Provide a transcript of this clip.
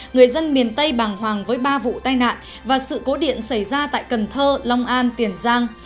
người dân miền tây bàng hoàng với ba vụ tai nạn và sự cố điện xảy ra tại cần thơ long an tiền giang